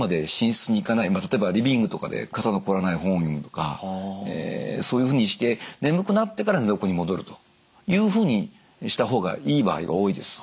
例えばリビングとかで肩の凝らない本を読むとかそういうふうにして眠くなってから寝床に戻るというふうにした方がいい場合が多いです。